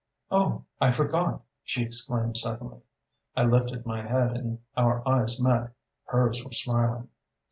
"'Oh, I forgot ' she exclaimed suddenly. I lifted my head and our eyes met. Hers were smiling.